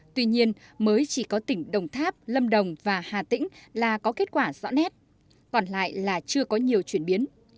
tuy nhiên mới chỉ có tỉnh đồng tháp lâm đồng và hà tĩnh là có kết quả rõ nét còn lại là chưa có nhiều chuyển biến